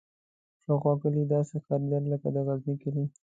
شاوخوا کلي داسې ښکارېدل لکه د غزني کلي.